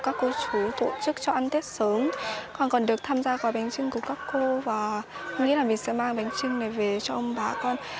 các cô chú tổ chức cho ăn tết sớm con còn được tham gia gói bánh trưng của các cô và con nghĩ là mình sẽ mang bánh trưng này về cho ông bà con